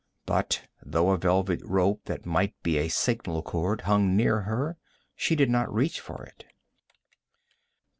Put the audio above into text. But, though a velvet rope that might be a signal cord hung near her, she did not reach for it.